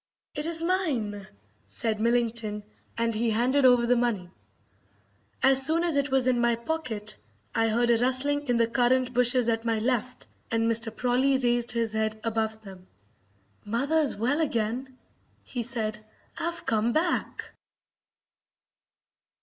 "It is mine!" said Millington, and he handed over the money. As soon as it was in my pocket I heard a rustling in the currant bushes at my left, and Mr. Prawley raised his head above them. "Mother's well again," he said. "I've come back!"